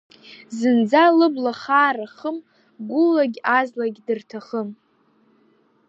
Зынӡа лыбла хаара хым, гәылагь-азлагь дырҭахым.